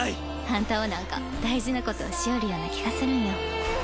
あんたはなんか大事な事をしよるような気がするんよ。